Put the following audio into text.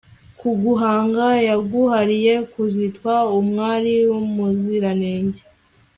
kuguhanga yaguhariye kuzitwa umwari muziranenge